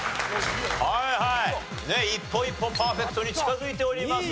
一歩一歩パーフェクトに近づいております。